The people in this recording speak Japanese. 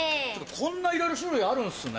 こんないろいろ種類あるんすね。